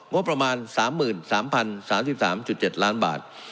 งบประมาณ๓๓๐๓๓๗ล้านบาท